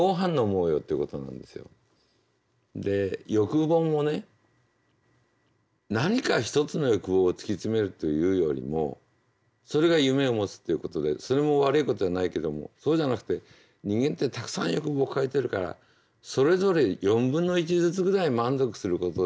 で欲望もね何か一つの欲望を突き詰めるというよりもそれが夢を持つっていうことでそれも悪いことじゃないけどもそうじゃなくて人間ってたくさん欲望を抱えてるからそれぞれ４分の１ずつぐらい満足することで十分だね。